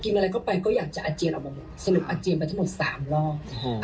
อะไรเข้าไปก็อยากจะอาเจียนออกมาหมดสรุปอาเจียนไปทั้งหมด๓รอบ